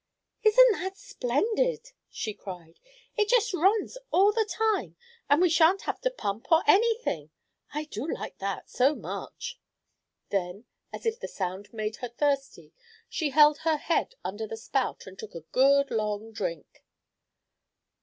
"Isn't that splendid?" she cried. "It just runs all the time, and we shan't have to pump or any thing. I do like that so much!" Then, as if the sound made her thirsty, she held her head under the spout, and took a good long drink.